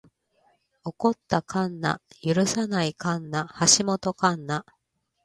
起こった神無許さない神無橋本神無